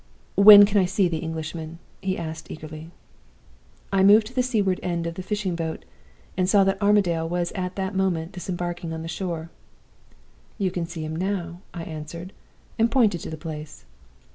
"'When can I see the Englishman?' he asked, eagerly. "I moved to the seaward end of the fishing boat, and saw that Armadale was at that moment disembarking on the shore. "'You can see him now,' I answered, and pointed to the place.